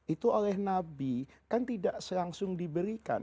itu oleh nabi kan tidak selangsung diberikan